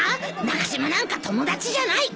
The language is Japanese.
中島なんか友達じゃない！